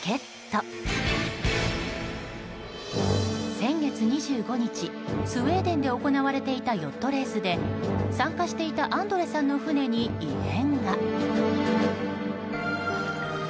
先月２５日、スウェーデンで行われていたヨットレースで参加していたアンドレさんの船に異変が。